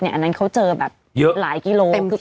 อันนั้นเค้าเจอแบบหลายกิโลเมตร